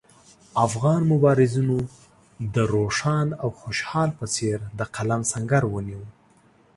افغان مبارزینو د روښان او خوشحال په څېر د قلم سنګر ونیو.